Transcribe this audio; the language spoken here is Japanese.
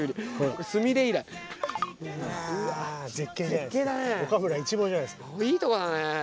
ここ、いいとこだね。